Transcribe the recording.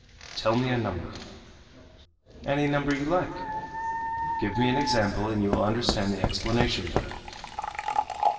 "Tell me a number." "Any number you like." "Give me an example and you will understand the explanation better."